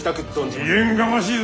未練がましいぞ。